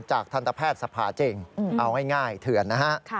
ทันตแพทย์สภาจริงเอาง่ายเถื่อนนะฮะ